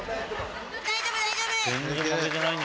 大丈夫大丈夫！